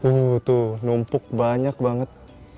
uh tuh numpuk banyak banget